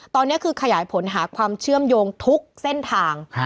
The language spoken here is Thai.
ตอนนี้คือขยายผลหาความเชื่อมโยงทุกเส้นทาง